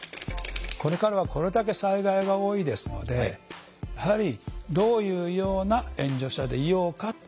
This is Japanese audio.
これからはこれだけ災害が多いですのでやはりどういうような援助者でいようか。